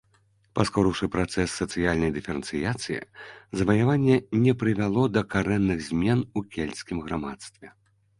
Паскорыўшы працэс сацыяльнай дыферэнцыяцыі, заваяванне не прывяло да карэнных змен у кельцкім грамадстве.